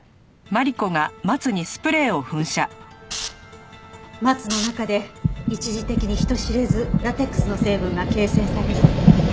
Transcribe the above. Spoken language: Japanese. マツの中で一時的に人知れずラテックスの成分が形成される。